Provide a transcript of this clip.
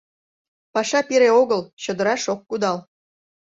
Паша пире огыл, чодыраш ок кудал...